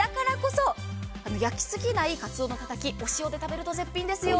焼きすぎない鰹のたたき、お塩で食べるとおいしいですよ。